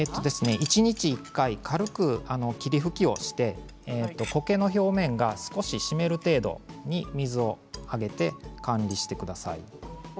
一日１回軽く霧吹きをしてこけの表面が少し湿る程度に水をあげて管理してください。